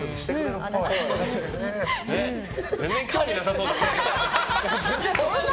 全然興味なさそうだな。